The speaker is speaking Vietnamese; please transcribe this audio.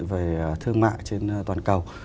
về thương mại trên toàn cầu